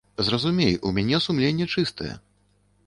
Зразумей, у мяне сумленне чыстае.